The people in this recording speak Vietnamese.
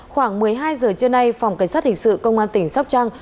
khoảng một mươi hai giờ trưa nay phòng cảnh sát hình sự công an tỉnh sóc trăng